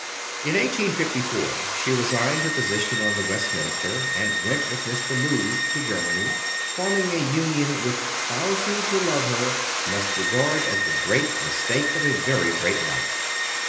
In 1854 she resigned her position on the Westminster, and went with Mr. Lewes to Germany, forming a union which thousands who love her must regard as the great mistake of a very great life.